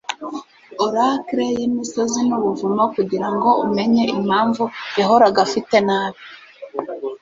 oracle yimisozi nubuvumo kugirango umenye impamvu yahoraga afite nabi